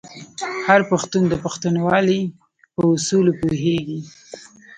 هر پښتون د پښتونولۍ په اصولو پوهیږي.